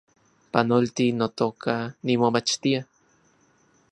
Panolti, notoka, nimomachtia